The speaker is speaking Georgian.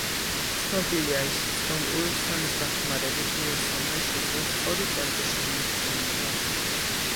ცნობილია ისიც, რომ უილსონის დახმარებით მეისონმა შეძლო სწორი ტემპის შენარჩუნება.